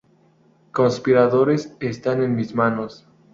Conspiradores están en mis manos.